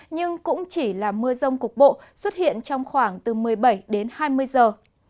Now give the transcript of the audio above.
nhưng cũng chỉ là mưa rông cục bộ xuất hiện trong khoảng từ một mươi bảy đến hai mươi giờ